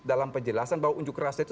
dalam penjelasan bahwa unjuk rasa itu